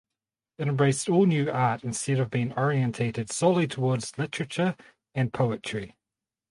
It embraced all new art instead of being oriented solely toward literature and poetry.